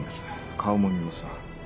顔も見ました。